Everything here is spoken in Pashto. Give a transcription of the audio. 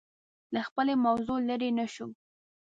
له خپلې موضوع لرې نه شو